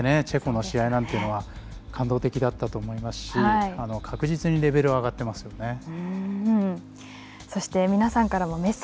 チェコとの試合なんていうのは感動的だったと思いますし確実にレベルは上がってますね。